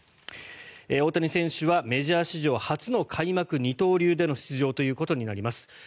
大谷選手はメジャー史上初の開幕二刀流での出場となります。